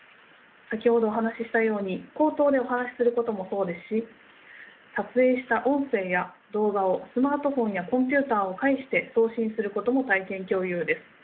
先ほどお話ししたように口頭でお話しすることもそうですし撮影した音声や動画をスマートフォンやコンピューターを介して送信することも体験共有です。